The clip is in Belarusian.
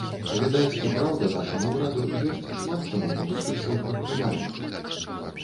Відаць, і праўда нашаму ўраду ёсць шмат чаму павучыцца ў прадпрымальнікаў.